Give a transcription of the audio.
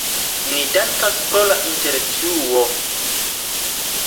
Ni dankas pro la intervjuo.